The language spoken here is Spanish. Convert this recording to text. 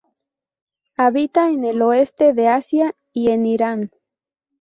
Habita en el oeste de Asia y en Irán.